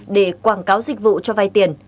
để quảng cáo dịch vụ cho vai tiền